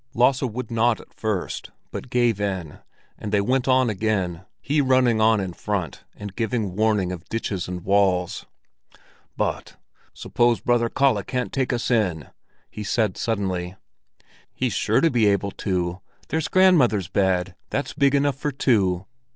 Lasse would not at first, but gave in, and they went on again, he running on in front and giving warning of ditches and walls. "Suppose Brother Kalle can't take us in!" he said suddenly. "He's sure to be able to. There's grandmother's bed; that's big enough for two."